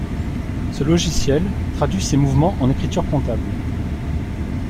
Ce logiciel traduit ces mouvements en écritures comptables.